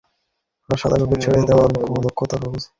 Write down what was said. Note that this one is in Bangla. ছবিতে বিশেষত, আলোছায়া ধরার কৌশল—সাদা কাগজ ছেড়ে দেওয়ার দক্ষতা নজর কাড়ে।